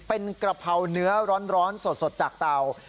เป็นกะเพราเนื้อร้อนสดจากเตา